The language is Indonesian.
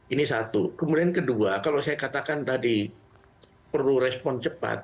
ini satu kemudian kedua kalau saya katakan tadi perlu respon cepat